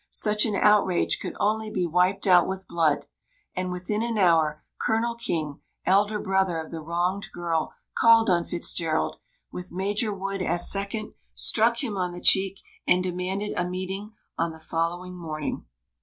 Such an outrage could only be wiped out with blood, and within an hour Colonel King, elder brother of the wronged girl, called on Fitzgerald, with Major Wood as second, struck him on the cheek, and demanded a meeting on the following morning.